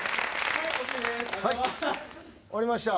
終わりました。